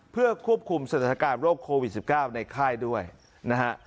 เพื่อควบคุมสถานการณ์โรคโควิด๑๙ในค่ายด้วยนะฮะ